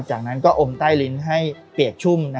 จากนั้นก็อมใต้ลิ้นให้เปียกชุ่ม